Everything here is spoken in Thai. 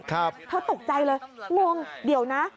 เธอตกใจเลยงงเดี๋ยวนะ